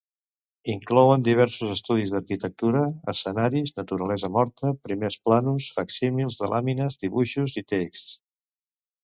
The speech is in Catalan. Inclouen diversos estudis d'arquitectura, escenaris, naturalesa morta, primers plànols, facsímils de làmines, dibuixos i texts.